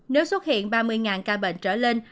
nếu xuất hiện ba mươi ca bệnh trở lên